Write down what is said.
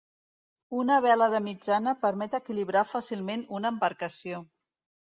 Una vela de mitjana permet equilibrar fàcilment una embarcació.